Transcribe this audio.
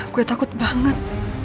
gue takut banget